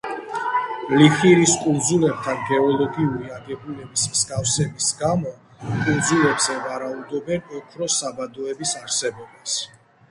ლიჰირის კუნძულებთან გეოლოგიური აგებულების მსგავსების გამო კუნძულებზე ვარაუდობენ ოქროს საბადოების არსებობას.